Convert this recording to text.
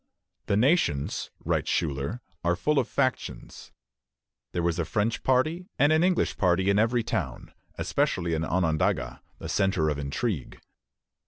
"The Nations," writes Schuyler, "are full of factions." There was a French party and an English party in every town, especially in Onondaga, the centre of intrigue.